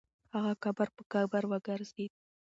هغه قبر په قبر وګرځېد.